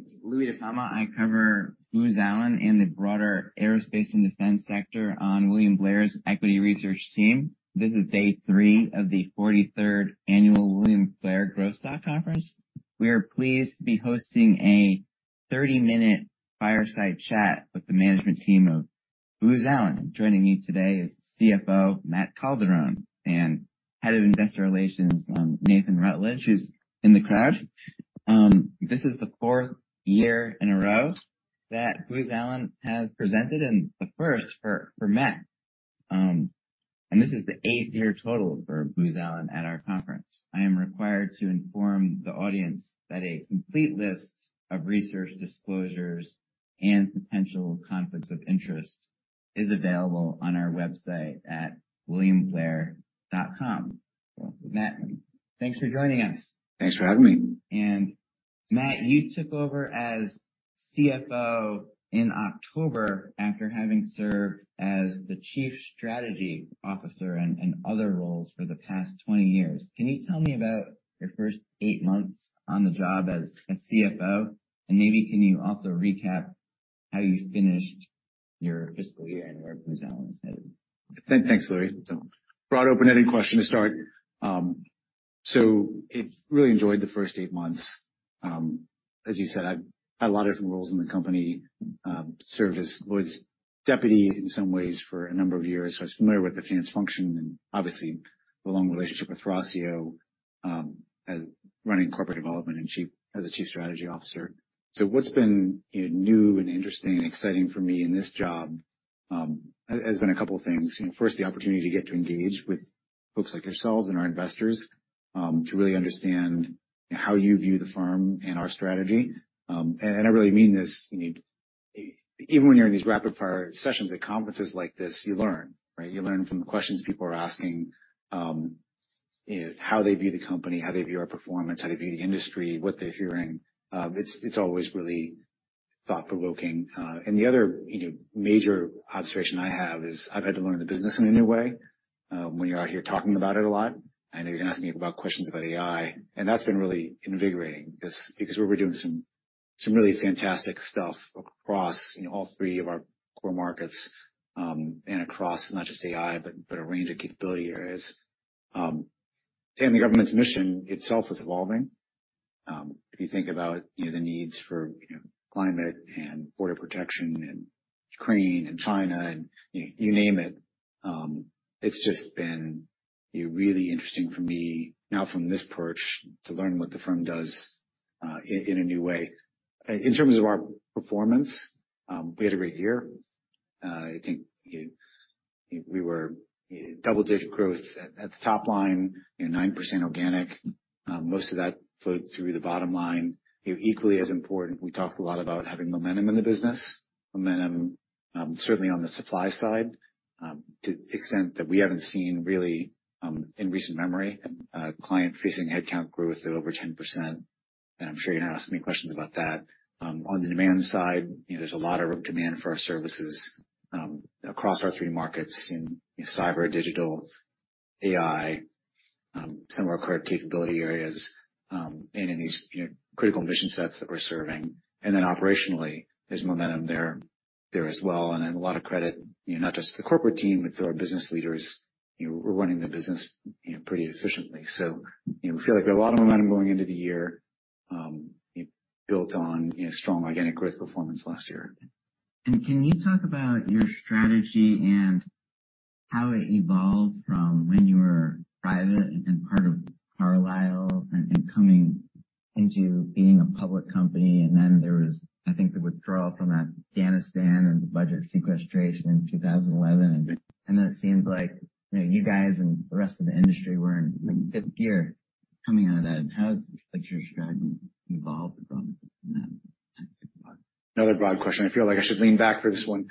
I am Louis De Palma. I cover Booz Allen and the broader aerospace and defense sector on William Blair's Equity Research Team. This is day three of the 43rd Annual William Blair Growth Stock Conference. We are pleased to be hosting a 30-minute fireside chat with the management team of Booz Allen. Joining me today is CFO Matt Calderone and Head of Investor Relations Nathan Rutledge, who's in the crowd. This is the fourth year in a row that Booz Allen has presented, and the first for Matt. And this is the eighth year total for Booz Allen at our conference. I am required to inform the audience that a complete list of research disclosures and potential conflicts of interest is available on our website at williamblair.com. Matt, thanks for joining us. Thanks for having me. Matt, you took over as CFO in October after having served as the Chief Strategy Officer and other roles for the past 20 years. Can you tell me about your first eight months on the job as a CFO? And maybe can you also recap how you finished your fiscal year and where Booz Allen is headed? Thanks, Louie. Broad open-ended question to start. So I really enjoyed the first eight months. As you said, I've had a lot of different roles in the company. I served as Lloyd's deputy in some ways for a number of years. I was familiar with the finance function and obviously the long relationship with Horacio running corporate development as a Chief Strategy Officer. So what's been new and interesting and exciting for me in this job has been a couple of things. First, the opportunity to get to engage with folks like yourselves and our investors to really understand how you view the firm and our strategy. And I really mean this. Even when you're in these rapid-fire sessions at conferences like this, you learn, right? You learn from the questions people are asking, how they view the company, how they view our performance, how they view the industry, what they're hearing. It's always really thought-provoking. And the other major observation I have is I've had to learn the business in a new way when you're out here talking about it a lot. I know you're going to ask me about questions about AI, and that's been really invigorating because we're doing some really fantastic stuff across all three of our core markets and across not just AI, but a range of capability areas. And the government's mission itself is evolving. If you think about the needs for climate and border protection and Ukraine and China and you name it, it's just been really interesting for me now from this perch to learn what the firm does in a new way. In terms of our performance, we had a great year. I think we were double-digit growth at the top line, 9% organic. Most of that flowed through the bottom line. Equally as important, we talked a lot about having momentum in the business, momentum certainly on the supply side to the extent that we haven't seen really in recent memory a client-facing headcount growth of over 10%. And I'm sure you're going to ask me questions about that. On the demand side, there's a lot of demand for our services across our three markets in cyber, digital, AI, some of our credit capability areas, and in these critical mission sets that we're serving. And then operationally, there's momentum there as well. And a lot of credit, not just to the corporate team, but to our business leaders, we're running the business pretty efficiently. So we feel like there's a lot of momentum going into the year built on strong organic growth performance last year. Can you talk about your strategy and how it evolved from when you were private and part of Carlyle and coming into being a public company? There was, I think, the withdrawal from Afghanistan and the budget sequestration in 2011. It seems like you guys and the rest of the industry were in the fifth year coming out of that. How has your strategy evolved from that? Another broad question. I feel like I should lean back for this one.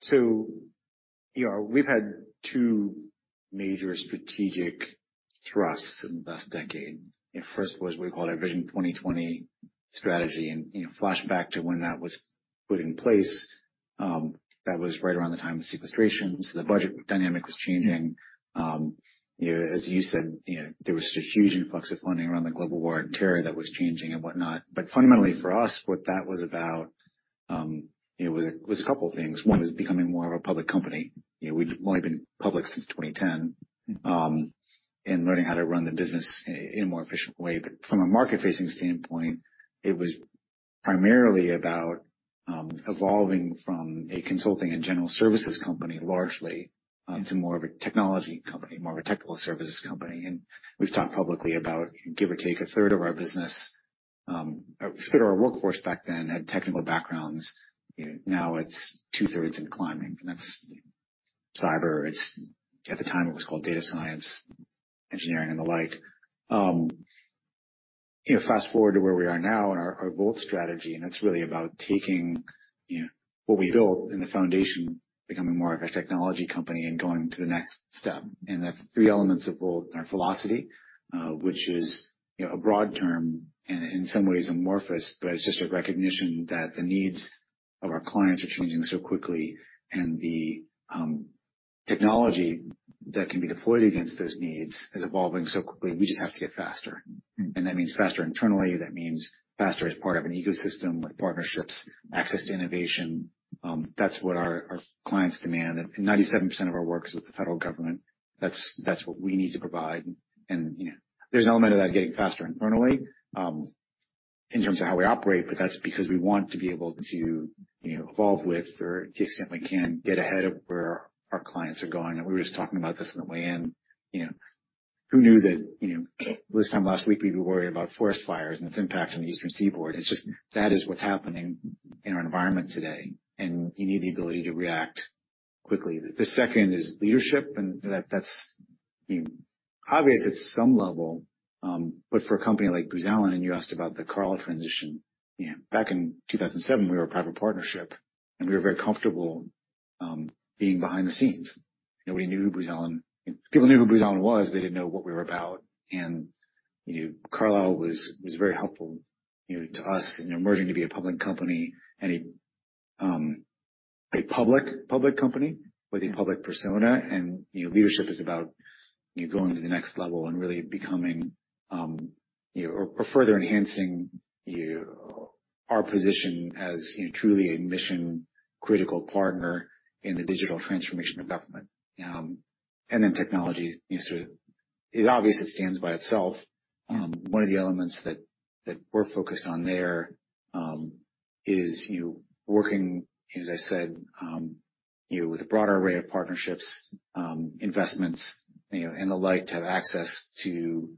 So we've had two major strategic thrusts in the last decade. First was what we call our Vision 2020 strategy. And flashback to when that was put in place, that was right around the time of sequestrations. The budget dynamic was changing. As you said, there was a huge influx of funding around the global war on terror that was changing and whatnot. But fundamentally for us, what that was about was a couple of things. One was becoming more of a public company. We've only been public since 2010 and learning how to run the business in a more efficient way. But from a market-facing standpoint, it was primarily about evolving from a consulting and general services company largely to more of a technology company, more of a technical services company. And we've talked publicly about, give or take, a third of our business, a third of our workforce back then had technical backgrounds. Now it's two-thirds and climbing. And that's cyber. At the time, it was called data science, engineering, and the like. Fast forward to where we are now in our VoLT strategy, and it's really about taking what we built in the foundation, becoming more of a technology company, and going to the next step. And the three elements of VoLT are velocity, which is a broad term and in some ways amorphous, but it's just a recognition that the needs of our clients are changing so quickly. And the technology that can be deployed against those needs is evolving so quickly. We just have to get faster. And that means faster internally. That means faster as part of an ecosystem with partnerships, access to innovation. That's what our clients demand. 97% of our work is with the federal government. That's what we need to provide, and there's an element of that getting faster internally in terms of how we operate, but that's because we want to be able to evolve with or to the extent we can get ahead of where our clients are going, and we were just talking about this on the way in. Who knew that this time last week we'd be worried about forest fires and its impact on the Eastern Seaboard? It's just that is what's happening in our environment today, and you need the ability to react quickly. The second is leadership, and that's obvious at some level, but for a company like Booz Allen, and you asked about the Carlyle transition, back in 2007, we were a private partnership, and we were very comfortable being behind the scenes. Nobody knew who Booz Allen. People knew who Booz Allen was, but they didn't know what we were about. Carlyle was very helpful to us in emerging to be a public company and a public company with a public persona. Leadership is about going to the next level and really becoming or further enhancing our position as truly a mission-critical partner in the digital transformation of government. Then technology is obvious. It stands by itself. One of the elements that we're focused on there is working, as I said, with a broader array of partnerships, investments, and the like to have access to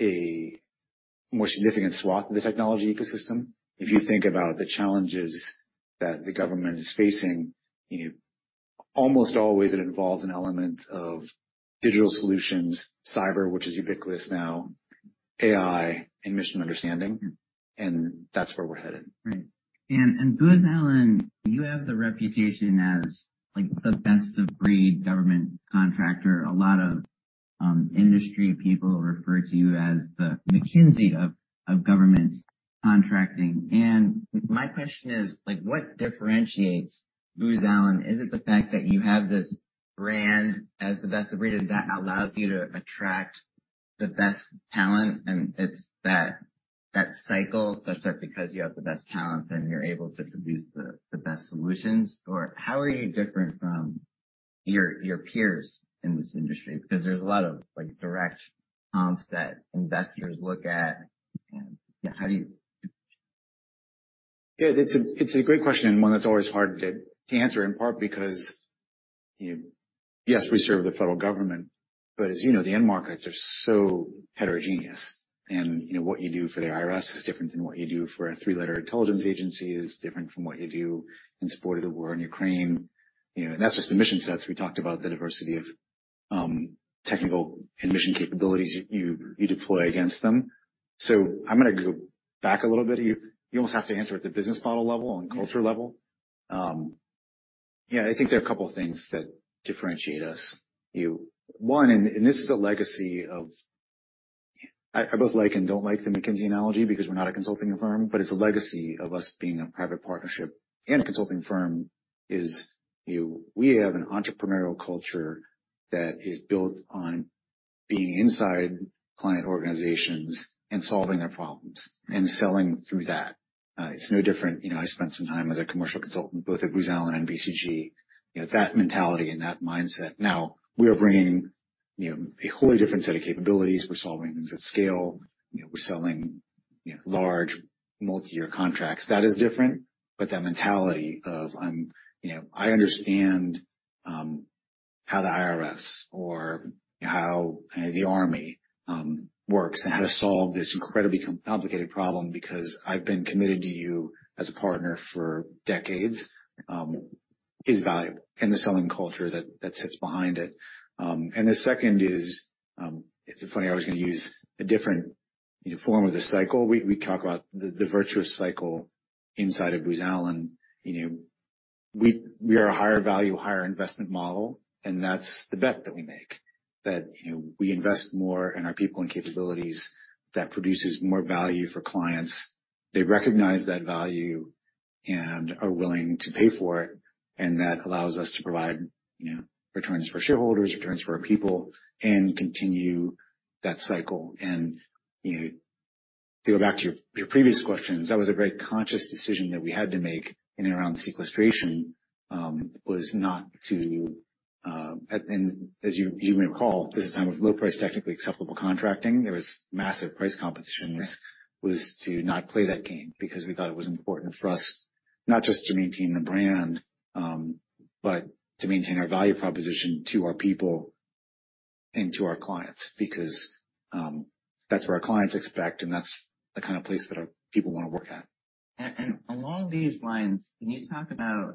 a more significant swath of the technology ecosystem. If you think about the challenges that the government is facing, almost always it involves an element of digital solutions, cyber, which is ubiquitous now, AI, and mission understanding. That's where we're headed. Right. And Booz Allen, you have the reputation as the best-of-breed government contractor. A lot of industry people refer to you as the McKinsey of government contracting. And my question is, what differentiates Booz Allen? Is it the fact that you have this brand as the best-of-breed that allows you to attract the best talent? And it's that cycle such that because you have the best talent, then you're able to produce the best solutions? Or how are you different from your peers in this industry? Because there's a lot of direct comps that investors look at. How do you? Yeah, it's a great question and one that's always hard to answer, in part because, yes, we serve the federal government, but as you know, the end markets are so heterogeneous. And what you do for the IRS is different than what you do for a three-letter intelligence agency, is different from what you do in support of the war in Ukraine. And that's just the mission sets. We talked about the diversity of technical and mission capabilities you deploy against them. So I'm going to go back a little bit. You almost have to answer at the business model level and culture level. Yeah, I think there are a couple of things that differentiate us. One, and this is a legacy of I both like and don't like the McKinsey analogy because we're not a consulting firm, but it's a legacy of us being a private partnership and a consulting firm is we have an entrepreneurial culture that is built on being inside client organizations and solving their problems and selling through that. It's no different. I spent some time as a commercial consultant, both at Booz Allen and BCG, that mentality and that mindset. Now, we are bringing a wholly different set of capabilities. We're solving things at scale. We're selling large, multi-year contracts. That is different, but that mentality of, "I understand how the IRS or how the army works and how to solve this incredibly complicated problem because I've been committed to you as a partner for decades," is valuable and the selling culture that sits behind it. The second is, it's funny. I was going to use a different form of the cycle. We talk about the virtuous cycle inside of Booz Allen. We are a higher value, higher investment model, and that's the bet that we make, that we invest more in our people and capabilities that produces more value for clients. They recognize that value and are willing to pay for it, and that allows us to provide returns for shareholders, returns for our people, and continue that cycle, and to go back to your previous questions, that was a very conscious decision that we had to make in and around sequestration was not to, as you may recall. This is the time of low-price, technically acceptable contracting. There was massive price competition. This was to not play that game because we thought it was important for us not just to maintain the brand, but to maintain our value proposition to our people and to our clients because that's what our clients expect, and that's the kind of place that our people want to work at. And along these lines, can you talk about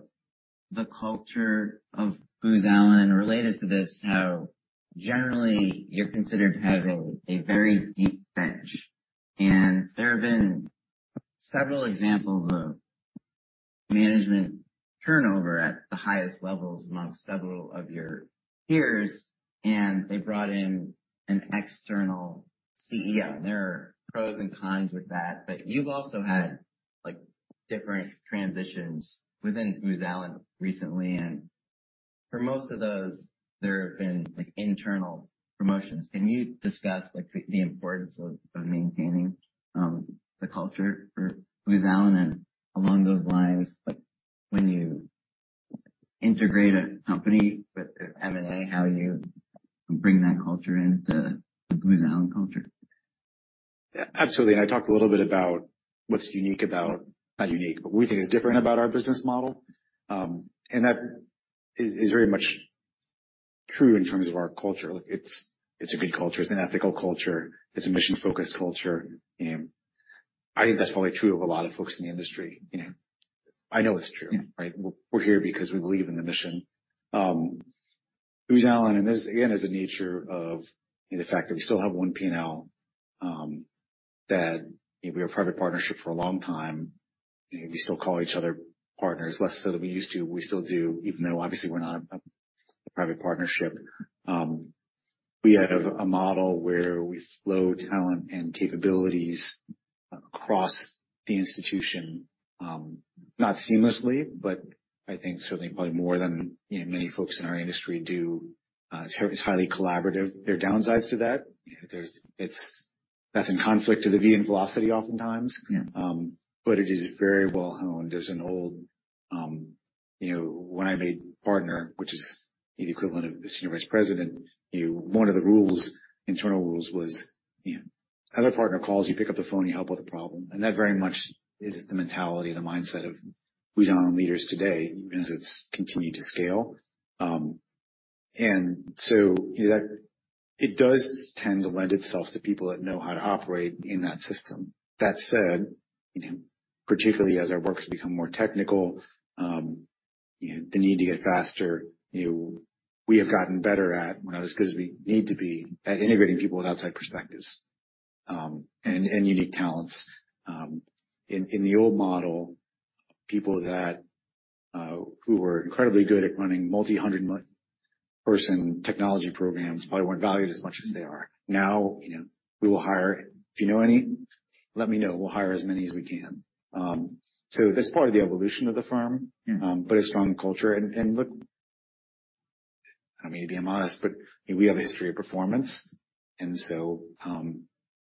the culture of Booz Allen related to this, how generally you're considered to have a very deep bench? And there have been several examples of management turnover at the highest levels amongst several of your peers, and they brought in an external CEO. And there are pros and cons with that, but you've also had different transitions within Booz Allen recently. And for most of those, there have been internal promotions. Can you discuss the importance of maintaining the culture for Booz Allen and along those lines, when you integrate a company with M&A, how you bring that culture into the Booz Allen culture? Yeah, absolutely. And I talked a little bit about what's unique about. Not unique, but what we think is different about our business model. And that is very much true in terms of our culture. It's a good culture. It's an ethical culture. It's a mission-focused culture. I think that's probably true of a lot of folks in the industry. I know it's true, right? We're here because we believe in the mission. Booz Allen, and this again is a nature of the fact that we still have one P&L, that we have a private partnership for a long time. We still call each other partners, less so than we used to. We still do, even though obviously we're not a private partnership. We have a model where we flow talent and capabilities across the institution, not seamlessly, but I think certainly probably more than many folks in our industry do. It's highly collaborative. There are downsides to that. That's in conflict to the V and velocity oftentimes. But it is very well-honed. There's an old, when I made partner, which is the equivalent of the senior vice president, one of the rules, internal rules was, other partner calls, you pick up the phone, you help with the problem, and that very much is the mentality, the mindset of Booz Allen leaders today, even as it's continued to scale, and so it does tend to lend itself to people that know how to operate in that system. That said, particularly as our work has become more technical, the need to get faster, we have gotten better at, we're not as good as we need to be at integrating people with outside perspectives and unique talents. In the old model, people who were incredibly good at running multi-hundred-person technology programs probably weren't valued as much as they are. Now, we will hire, if you know any, let me know. We'll hire as many as we can. So that's part of the evolution of the firm, but a strong culture. And look, I don't mean to be immodest, but we have a history of performance. And so I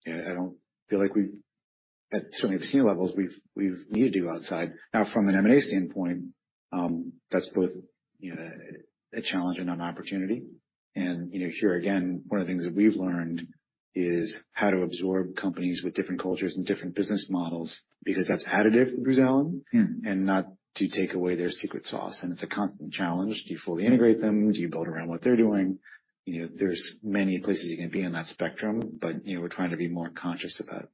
don't feel like we've needed to go outside, certainly at the senior levels. Now, from an M&A standpoint, that's both a challenge and an opportunity. And here again, one of the things that we've learned is how to absorb companies with different cultures and different business models because that's additive to Booz Allen and not to take away their secret sauce. And it's a constant challenge. Do you fully integrate them? Do you build around what they're doing? There's many places you can be on that spectrum, but we're trying to be more conscious of that.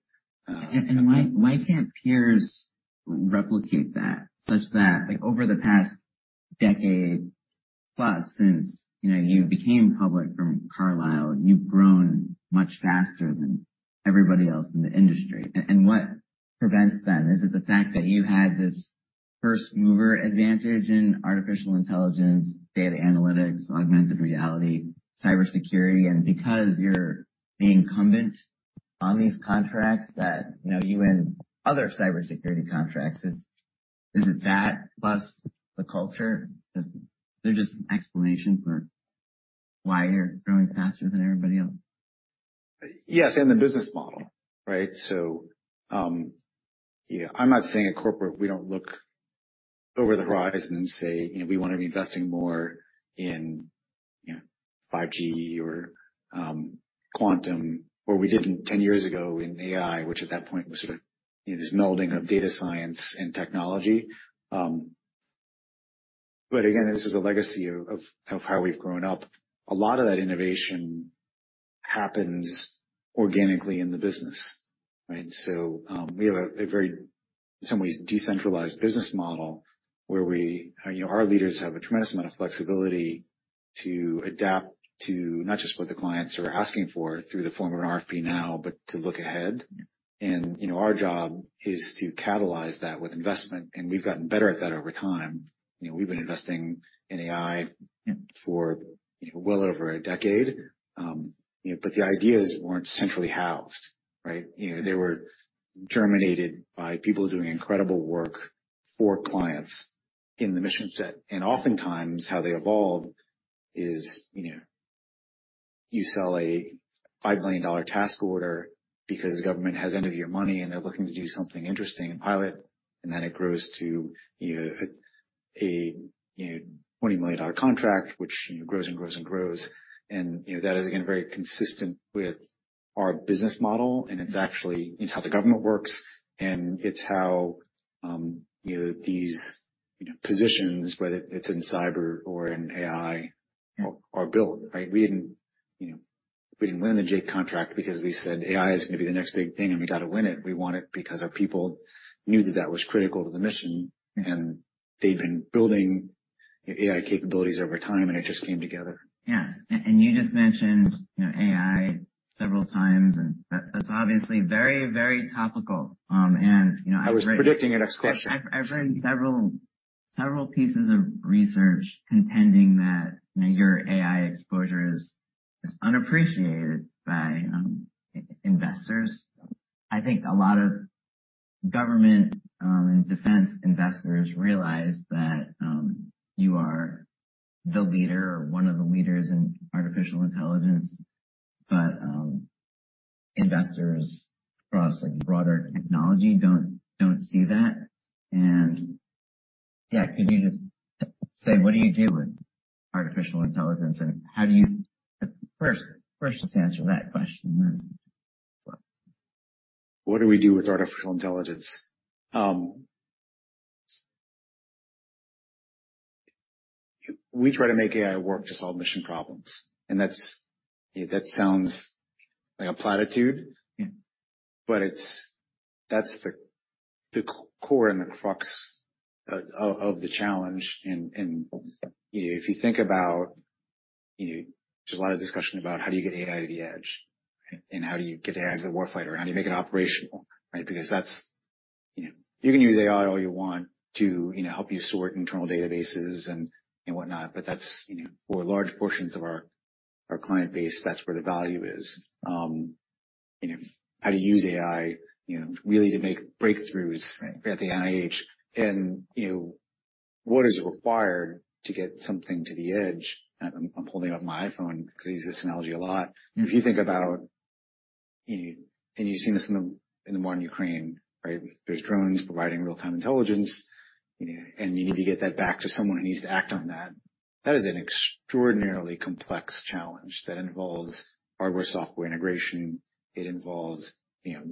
Why can't peers replicate that such that over the past decade plus since you became public from Carlyle, you've grown much faster than everybody else in the industry? What prevents them? Is it the fact that you had this first-mover advantage in artificial intelligence, data analytics, augmented reality, cybersecurity? Because you're the incumbent on these contracts that you and other cybersecurity contracts, is it that plus the culture? Is there just an explanation for why you're growing faster than everybody else? Yes, and the business model, right? So I'm not saying at corporate, we don't look over the horizon and say, "We want to be investing more in 5G or quantum," or we didn't 10 years ago in AI, which at that point was sort of this melding of data science and technology. But again, this is a legacy of how we've grown up. A lot of that innovation happens organically in the business, right? So we have a very, in some ways, decentralized business model where our leaders have a tremendous amount of flexibility to adapt to not just what the clients are asking for through the form of an RFP now, but to look ahead. And our job is to catalyze that with investment. And we've gotten better at that over time. We've been investing in AI for well over a decade. But the ideas weren't centrally housed, right? They were germinated by people doing incredible work for clients in the mission set. And oftentimes how they evolve is you sell a $5 million task order because the government has end-of-year money and they're looking to do something interesting and pilot, and then it grows to a $20 million contract, which grows and grows and grows. And that is, again, very consistent with our business model, and it's actually how the government works, and it's how these positions, whether it's in cyber or in AI, are built, right? We didn't win the JAIC contract because we said AI is going to be the next big thing and we got to win it. We won it because our people knew that that was critical to the mission, and they've been building AI capabilities over time, and it just came together. Yeah. And you just mentioned AI several times, and that's obviously very, very topical. And I've read. I was predicting your next question. I've read several pieces of research contending that your AI exposure is unappreciated by investors. I think a lot of government and defense investors realize that you are the leader or one of the leaders in artificial intelligence, but investors across broader technology don't see that. And yeah, could you just say what do you do with artificial intelligence? And how do you first just answer that question? What do we do with artificial intelligence? We try to make AI work to solve mission problems. And that sounds like a platitude, but that's the core and the crux of the challenge. And if you think about, there's a lot of discussion about how do you get AI to the edge, and how do you get AI to the war fighter, and how do you make it operational, right? Because you can use AI all you want to help you sort internal databases and whatnot, but that's for large portions of our client base, that's where the value is. How do you use AI really to make breakthroughs at the NIH? And what is required to get something to the edge? I'm holding up my iPhone because I use this analogy a lot. If you think about, and you've seen this in the war in Ukraine, right? There are drones providing real-time intelligence, and you need to get that back to someone who needs to act on that. That is an extraordinarily complex challenge that involves hardware-software integration. It involves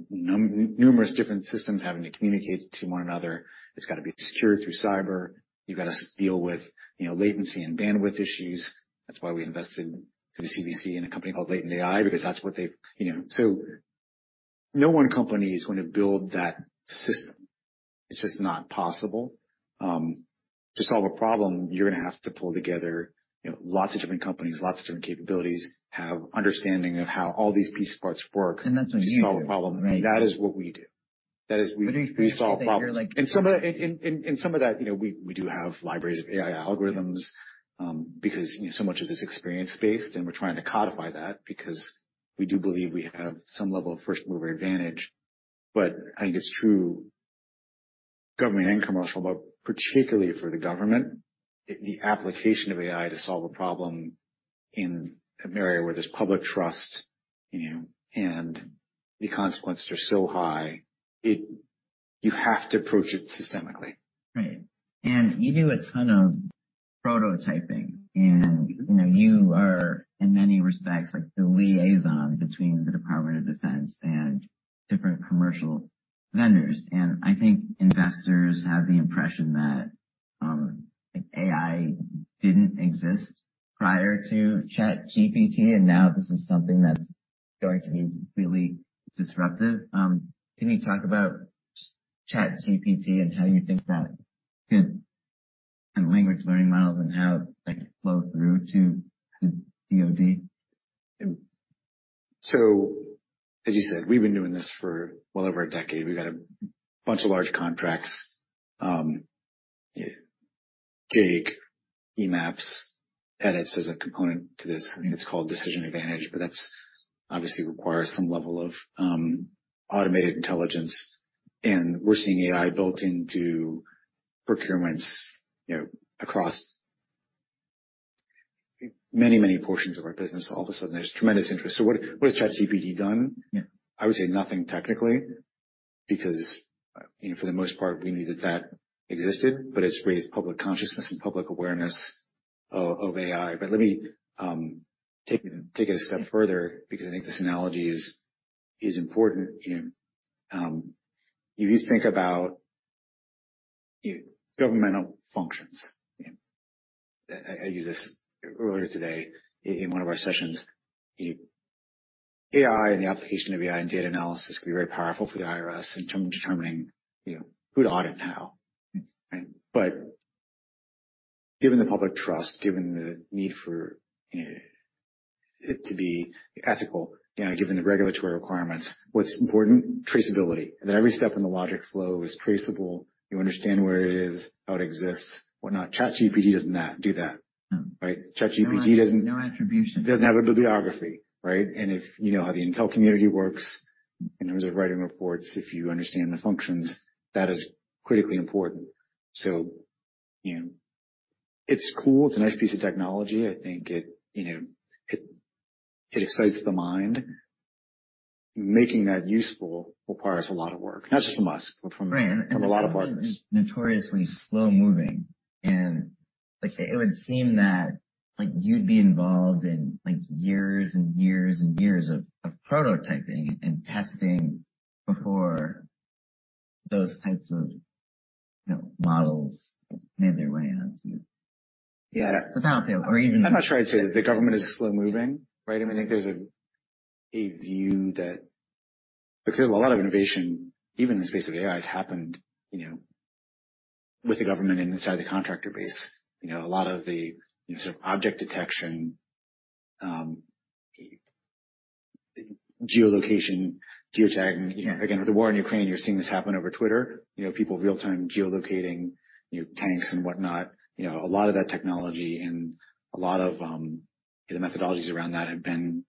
numerous different systems having to communicate to one another. It's got to be secure through cyber. You've got to deal with latency and bandwidth issues. That's why we invested through CVC in a company called Latent AI, because that's what they do so no one company is going to build that system. It's just not possible. To solve a problem, you're going to have to pull together lots of different companies, lots of different capabilities, have understanding of how all these piece parts work to solve a problem. And that is what we do. That is, we solve problems. And some of that, we do have libraries of AI algorithms because so much of this is experience-based, and we're trying to codify that because we do believe we have some level of first-mover advantage. But I think it's true government and commercial, but particularly for the government, the application of AI to solve a problem in an area where there's public trust and the consequences are so high, you have to approach it systemically. Right. And you do a ton of prototyping, and you are, in many respects, the liaison between the Department of Defense and different commercial vendors. And I think investors have the impression that AI didn't exist prior to ChatGPT, and now this is something that's going to be really disruptive. Can you talk about ChatGPT and how you think that could, and large language models and how that could flow through to the DOD? So as you said, we've been doing this for well over a decade. We've got a bunch of large contracts, JAIC, eMAPS, EDITS as a component to this. I think it's called Decision Advantage, but that obviously requires some level of automated intelligence. And we're seeing AI built into procurements across many, many portions of our business. All of a sudden, there's tremendous interest. So what has ChatGPT done? I would say nothing technically because for the most part, we knew that that existed, but it's raised public consciousness and public awareness of AI. But let me take it a step further because I think this analogy is important. If you think about governmental functions, I used this earlier today in one of our sessions. AI and the application of AI and data analysis can be very powerful for the IRS in determining who to audit and how. But given the public trust, given the need for it to be ethical, given the regulatory requirements, what's important? Traceability. And then every step in the logic flow is traceable. You understand where it is, how it exists, whatnot. ChatGPT doesn't do that, right? ChatGPT doesn't. No attribution. Doesn't have a bibliography, right? And if you know how the intelligence community works in terms of writing reports, if you understand the functions, that is critically important. So it's cool. It's a nice piece of technology. I think it excites the mind. Making that useful requires a lot of work, not just from us, but from a lot of partners. Right. And it's notoriously slow-moving. And it would seem that you'd be involved in years and years and years of prototyping and testing before those types of models made their way onto the battlefield. Or even. I'm not sure I'd say that the government is slow-moving, right? I mean, I think there's a view that because there's a lot of innovation, even in the space of AI, has happened with the government and inside the contractor base, a lot of the sort of object detection, geolocation, geotagging. Again, with the war in Ukraine, you're seeing this happen over Twitter, people real-time geolocating tanks and whatnot. A lot of that technology and a lot of the methodologies around that have been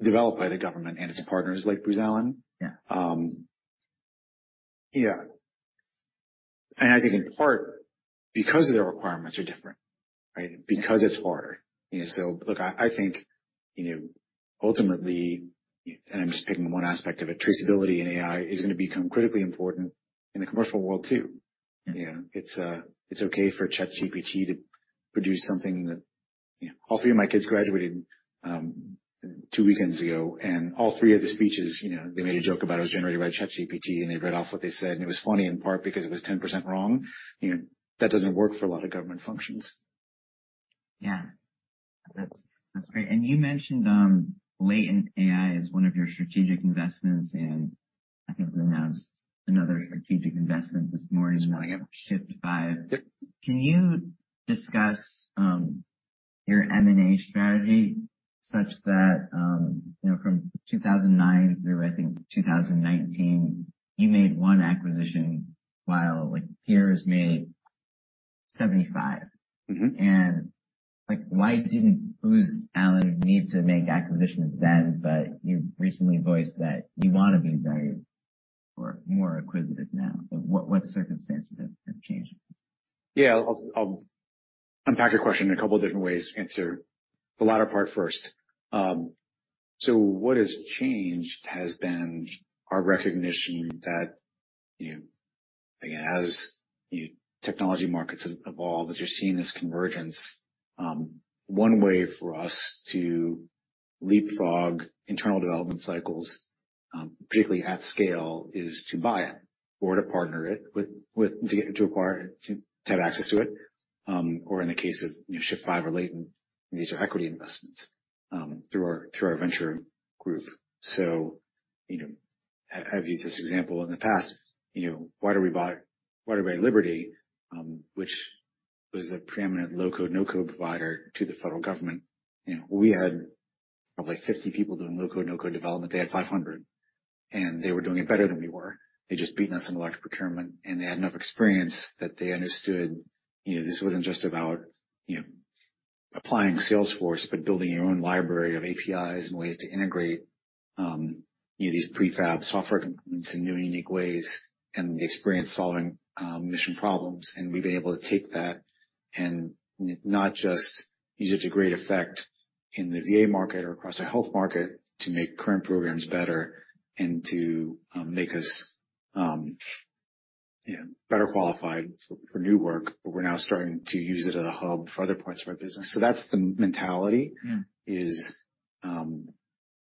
developed by the government and its partners like Booz Allen. Yeah, and I think in part because their requirements are different, right? Because it's harder, so look, I think ultimately, and I'm just picking one aspect of it, traceability in AI is going to become critically important in the commercial world too. It's okay for ChatGPT to produce something that all three of my kids graduated two weekends ago, and all three of the speeches, they made a joke about it was generated by ChatGPT, and they read off what they said. It was funny in part because it was 10% wrong. That doesn't work for a lot of government functions. Yeah. That's great, and you mentioned Latent AI as one of your strategic investments, and I think we announced another strategic investment this morning, Shift5. Can you discuss your M&A strategy such that from 2009 through, I think, 2019, you made one acquisition while peers made 75? Why didn't Booz Allen need to make acquisitions then, but you recently voiced that you want to be very more acquisitive now? What circumstances have changed? Yeah. I'll unpack your question in a couple of different ways. Answer the latter part first. So what has changed has been our recognition that, again, as technology markets evolve, as you're seeing this convergence, one way for us to leapfrog internal development cycles, particularly at scale, is to buy it or to partner it to acquire it, to have access to it. Or in the case of Shift5 or Latent, these are equity investments through our venture group. So I've used this example in the past. Why do we buy Liberty? Which was the preeminent low-code, no-code provider to the federal government. We had probably 50 people doing low-code, no-code development. They had 500, and they were doing it better than we were. They'd just beaten us in large procurement, and they had enough experience that they understood this wasn't just about applying Salesforce, but building your own library of APIs and ways to integrate these prefab software components in new and unique ways and the experience solving mission problems, and we've been able to take that and not just use it to great effect in the VA market or across our health market to make current programs better and to make us better qualified for new work, but we're now starting to use it as a hub for other parts of our business, so that's the mentality, is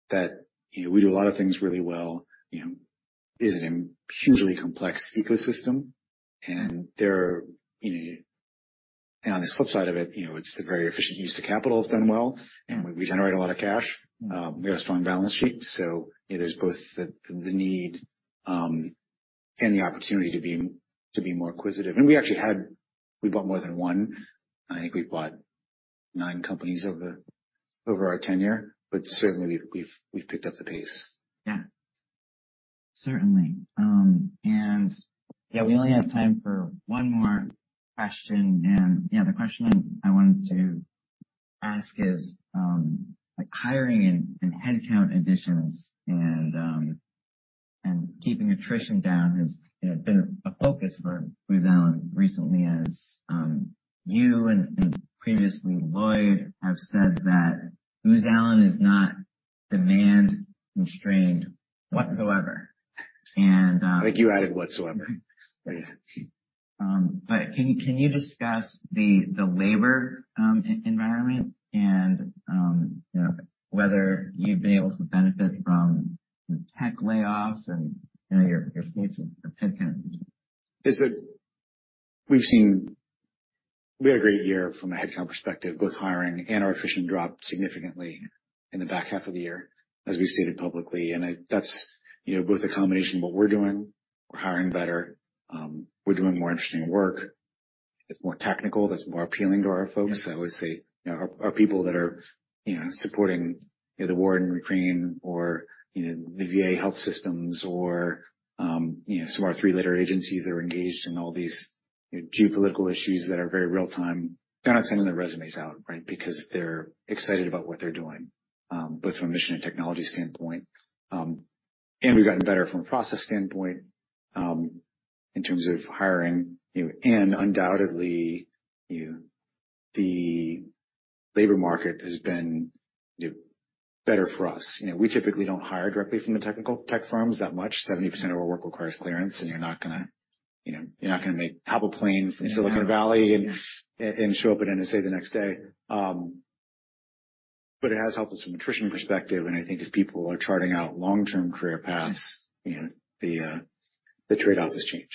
that we do a lot of things really well. It's a hugely complex ecosystem, and on this flip side of it, it's a very efficient use of capital. It's done well, and we generate a lot of cash. We have a strong balance sheet. So there's both the need and the opportunity to be more acquisitive. And we actually had, we bought more than one. I think we bought nine companies over our tenure, but certainly we've picked up the pace. Yeah. Certainly, and yeah, we only have time for one more question, and yeah, the question I wanted to ask is hiring and headcount additions and keeping attrition down has been a focus for Booz Allen recently, as you and previously Lloyd have said that Booz Allen is not demand-constrained whatsoever. And. I think you added whatsoever. But can you discuss the labor environment and whether you've been able to benefit from tech layoffs and your piece of headcount? We've seen we had a great year from a headcount perspective. Both hiring and our attrition dropped significantly in the back half of the year, as we've stated publicly, and that's both a combination of what we're doing. We're hiring better. We're doing more interesting work. It's more technical. That's more appealing to our folks. I always say our people that are supporting the war in Ukraine or the VA health systems or some of our three-letter agencies that are engaged in all these geopolitical issues that are very real-time, they're not sending their resumes out, right? Because they're excited about what they're doing, both from a mission and technology standpoint, and we've gotten better from a process standpoint in terms of hiring, and undoubtedly, the labor market has been better for us. We typically don't hire directly from the technical tech firms that much. 70% of our work requires clearance, and you're not going to make Apple talent from Silicon Valley and show up at NSA the next day. But it has helped us from an attrition perspective. I think as people are charting out long-term career paths, the trade-off has changed.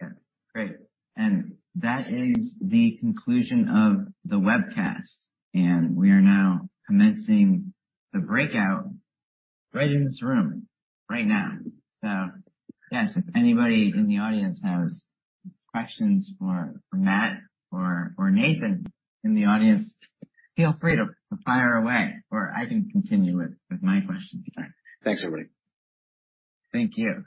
Yeah. Great. And that is the conclusion of the webcast. And we are now commencing the breakout right in this room right now. So yes, if anybody in the audience has questions for Matt or Nathan in the audience, feel free to fire away, or I can continue with my questions. Thanks, everybody. Thank you.